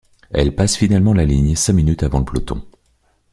Elle passe finalement la ligne cinq minutes avant le peloton.